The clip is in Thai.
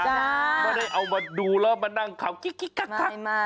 ไม่ได้เอามาดูแล้วมานั่งขับคิกคิกคักคัก